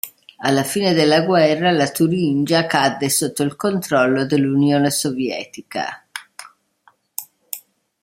Alla fine della guerra, la Turingia cadde sotto il controllo dell'Unione Sovietica.